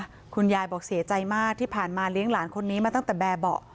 คุณยายบอกเสียใจมากที่ผ่านมาเลี้ยงหลานคนนี้มาตั้งแต่แบบเบาะ